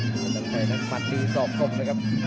เพชรน้ำชัยนั้นมัดดีสอบกลมนะครับ